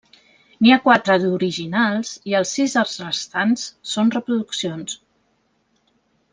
N'hi ha quatre d'originals i els sis arcs restants són reproduccions.